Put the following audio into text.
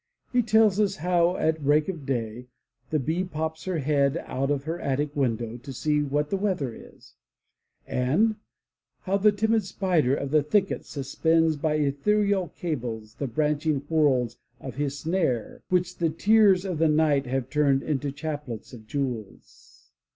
*' He tells us how at break of day "the bee pops her head out of her attic window to see what the weather is" and how "the timid spider of the thickets suspends by ethereal cables the branching whorls of his snare which the tears of the night have turned into chaplets of jewels."